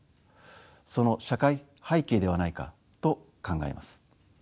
その社会背景ではないかと考えます。